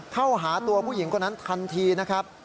เข้าหาตัวผู้หญิงคนนั้นทันทีนะครับ